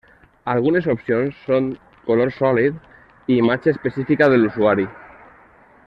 Algunes opcions són color sòlid i imatge específica de l'usuari.